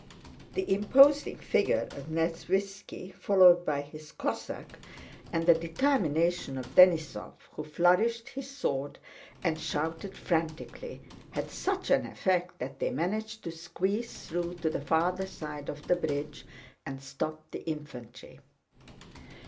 The imposing figure of Nesvítski followed by his Cossack, and the determination of Denísov who flourished his sword and shouted frantically, had such an effect that they managed to squeeze through to the farther side of the bridge and stopped the infantry.